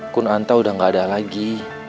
kunanta udah gak ada lagi